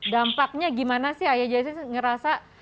dampaknya gimana sih ayah jajah sih ngerasa